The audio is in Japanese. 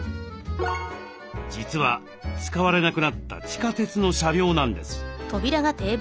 実は使われなくなった地下鉄の車両なんです。